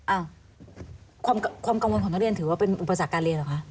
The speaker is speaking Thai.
อ้าวความกังวลของนักเรียนถือว่าเป็นอุปสรรคการเรียนเหรอคะ